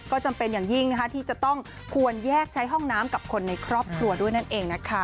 ก็จำเป็นอย่างยิ่งที่จะต้องควรแยกใช้ห้องน้ำกับคนในครอบครัวด้วยนั่นเองนะคะ